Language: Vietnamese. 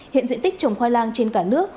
hiện diện tích trồng khoai lang trên cả nước